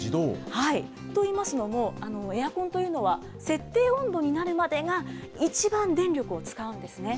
といいますのも、エアコンというのは、設定温度になるまでが一番電力を使うんですね。